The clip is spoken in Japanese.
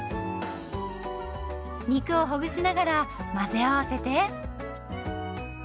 肉をほぐしながら混ぜ合わせて。